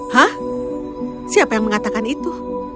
hah siapa yang mengatakan itu